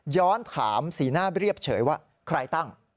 ถามสีหน้าเรียบเฉยว่าใครตั้ง